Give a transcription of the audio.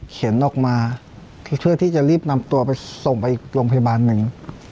ออกมาเพื่อที่จะรีบนำตัวไปส่งไปอีกโรงพยาบาลหนึ่ง